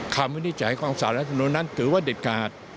คำวินิจัยของศาลทนุนนั้นถือว่าเด็ดกาล